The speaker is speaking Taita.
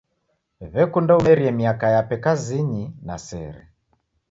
W'ekunda umerie miaka yape kazinyi na sere.